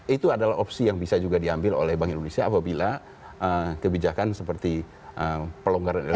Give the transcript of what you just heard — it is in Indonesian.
itu adalah opsi yang bisa juga diambil oleh bank indonesia apabila kebijakan seperti pelonggaran